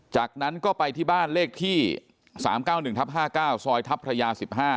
จากนั้นก็ไปที่บ้านเลขที่๓๙๑ทับ๕๙ซอยทัพพระยา๑๕